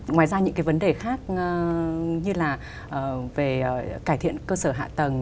ngoài ra những cái vấn đề khác như là về cải thiện cơ sở hạ tầng